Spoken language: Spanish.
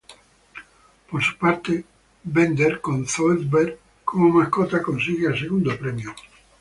Por su parte, Bender con Zoidberg como mascota consigue el segundo premio.